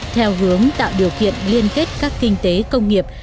theo hướng tạo điều kiện liên kết các kinh tế công nghiệp